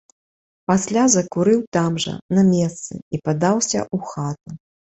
Пасля закурыў там жа, на месцы, і падаўся ў хату.